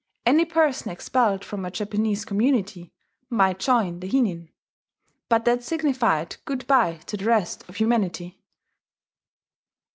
Any person expelled from a Japanese community might join the hinin; but that signified good by to the rest of humanity.